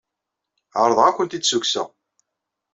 Ɛerḍeɣ ad kent-id-ssukkseɣ.